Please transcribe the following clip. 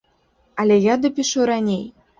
Але я дапішу раней.